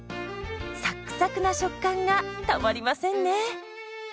サックサクな食感がたまりませんね。